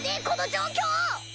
この状況！